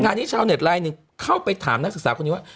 นี้ชาวเน็ตไลน์หนึ่งเข้าไปถามนักศึกษาคนนี้ว่า